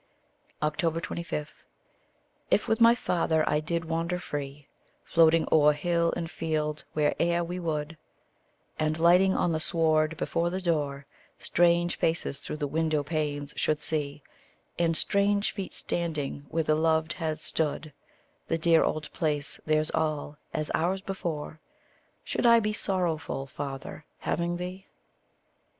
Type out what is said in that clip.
25. If with my father I did wander free, Floating o'er hill and field where'er we would, And, lighting on the sward before the door, Strange faces through the window panes should see, And strange feet standing where the loved had stood, The dear old place theirs all, as ours before Should I be sorrowful, father, having thee?